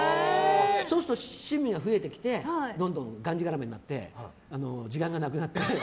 そうすると趣味が増えてきてどんどんがんじがらめになって時間がなくなって。